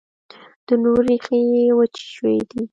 د نور، ریښې یې وچي شوي دي